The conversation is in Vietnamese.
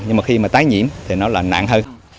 nhưng mà khi mà tái nhiễm thì nó là nặng hơn